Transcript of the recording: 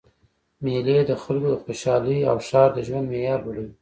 میلې د خلکو د خوشحالۍ او ښار د ژوند معیار لوړوي.